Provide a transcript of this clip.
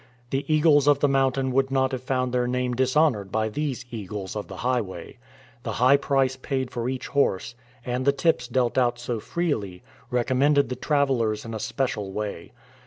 The eagles of the mountain would not have found their name dishonored by these "eagles" of the highway. The high price paid for each horse, and the tips dealt out so freely, recommended the travelers in a special way.